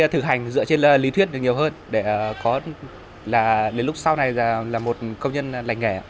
thực hành dựa trên lý thuyết được nhiều hơn để có là đến lúc sau này là một công nhân lành nghề ạ